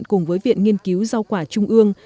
cùng với viện nghiên cứu giao quả trung ương